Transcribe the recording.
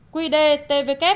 quy đề tvk